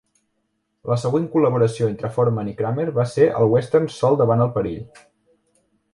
La següent col·laboració entre Foreman i Kramer va ser el western "Sol davant el perill".